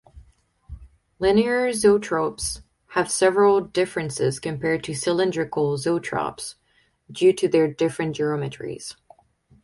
Linear zoetropes have several differences compared to cylindrical zoetropes due to their different geometries.